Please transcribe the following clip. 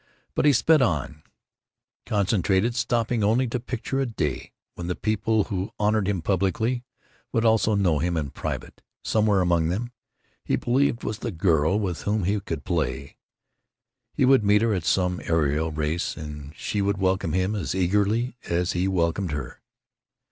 But he sped on, concentrated, stopping only to picture a day when the people who honored him publicly would also know him in private. Somewhere among them, he believed, was the girl with whom he could play. He would meet her at some aero race, and she would welcome him as eagerly as he welcomed her....